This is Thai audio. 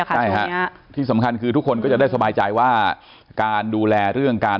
ใช่ฮะที่สำคัญคือทุกคนก็จะได้สบายใจว่าการดูแลเรื่องการ